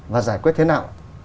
và giải quyết thế nào